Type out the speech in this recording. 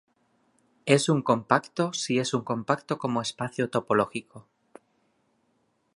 Es un compacto si es un compacto como espacio topológico.